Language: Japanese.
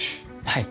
はい。